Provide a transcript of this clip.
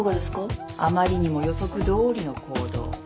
あまりにも予測どおりの行動。